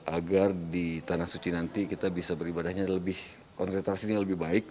agar di tanah suci nanti kita bisa beribadahnya lebih konsentrasinya lebih baik